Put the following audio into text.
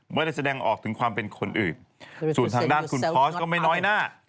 ไม่ได้แสดงออกถึงความเป็นคนอื่นส่วนทางด้านคุณพอสก็ไม่น้อยหน้า